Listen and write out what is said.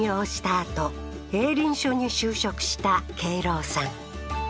あと営林署に就職した敬郎さん